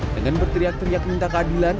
dengan berteriak teriak minta keadilan